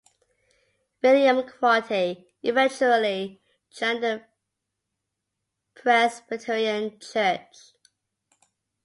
William Crotty eventually joined the Presbyterian Church.